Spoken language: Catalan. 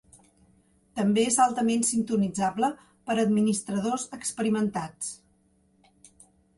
També és altament sintonitzable per administradors experimentats.